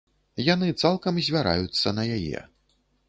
Яны цалкам звяраюцца на яе.